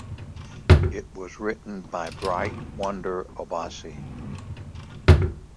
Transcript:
It was written by Bright Wonder Obasi.